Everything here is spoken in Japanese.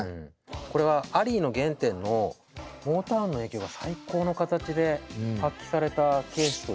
これはアリーの原点のモータウンの影響が最高の形で発揮されたケースと言えると思うんですね。